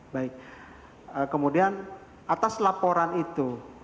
baik kemudian atas laporan itu